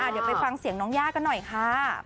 เดี๋ยวไปฟังเสียงน้องย่ากันหน่อยค่ะ